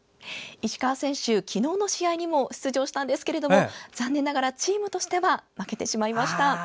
石川選手、昨日の試合にも出場したんですけれども残念ながらチームとしては負けてしまいました。